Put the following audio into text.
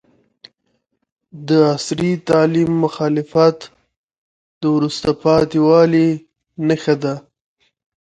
د عصري تعلیم مخالفت د وروسته پاتې والي نښه ده.